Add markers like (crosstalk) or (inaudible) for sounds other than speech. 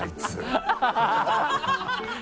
ハハハ (laughs)